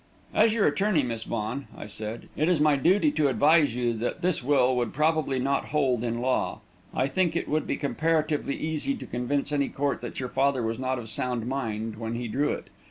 "As your attorney, Miss Vaughan," I said, "it is my duty to advise you that this will would probably not hold in law. I think it would be comparatively easy to convince any court that your father was not of sound mind when he drew it.